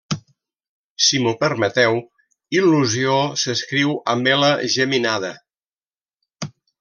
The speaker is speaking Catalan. Si m'ho permeteu, il·lusió s'escriu amb ela geminada.